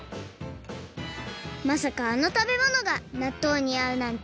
まさかあのたべものがなっとうにあうなんてビックリ！